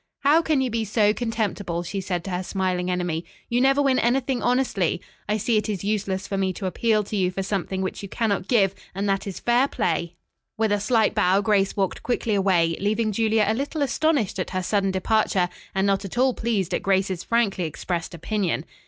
"How can you be so contemptible?" she said to her smiling enemy. "You never win anything honestly. I see it is useless for me to appeal to you for something which you cannot give, and that is fair play!" With a slight bow, Grace walked quickly away, leaving Julia a little astonished at her sudden departure and not at all pleased at Grace's frankly expressed opinion.